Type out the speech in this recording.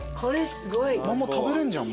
まんま食べれんじゃん